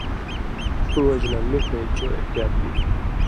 ݜُو وجہۡ نہ مِٹُھویں چو احتیاط بی تُھو۔